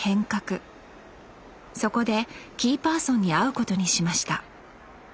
そこでキーパーソンに会うことにしました